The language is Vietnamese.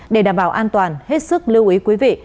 để đảm bảo an toàn hết sức lưu ý quý vị